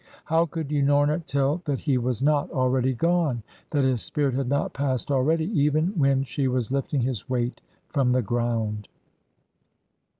How could Unorna tell that he was not already gone, that his spirit had not passed already, even when she was lifting his weight from the ground?